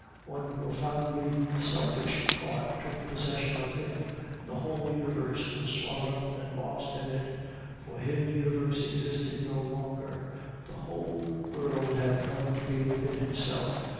One profoundly selfish thought took possession of him, and the whole universe was swallowed up and lost in it. For him the universe existed no longer; the whole world had come to be within himself.